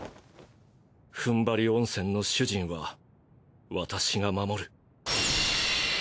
ふんばり温泉の主人は私が守る！